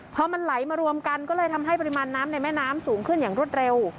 พอมันไหลมารวมกันก็เลยทำให้ปริมาณน้ำในแม่น้ำสูงขึ้นอย่างรวดเร็ว